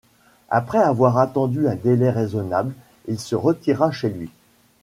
Après avoir attendu un délai raisonnable, il se retira chez lui.